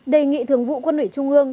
đề nghị thường vụ quân ủy trung ương